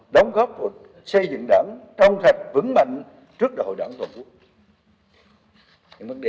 đóng góp cho xây dựng đảng trong thật vững mạnh trước đại hội đảng toàn quốc